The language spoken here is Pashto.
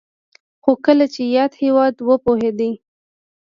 خو کله چې یاد هېواد وپوهېده